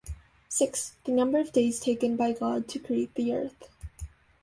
Six: the number of days taken by God to create the Earth.